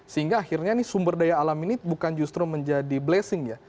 sehingga akhirnya ini sumber daya alam ini bukan justru menjadi blessing ya